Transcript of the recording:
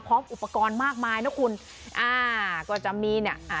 พร้อมอุปกรณ์มากมายนะคุณอ่าก็จะมีเนี่ยอ่า